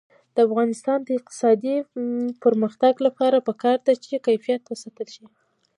د افغانستان د اقتصادي پرمختګ لپاره پکار ده چې کیفیت وساتل شي.